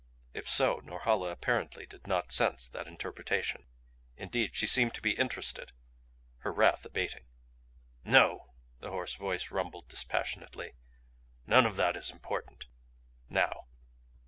If so, Norhala apparently did not sense that interpretation. Indeed, she seemed to be interested, her wrath abating. "No," the hoarse voice rumbled dispassionately. "None of that is important now.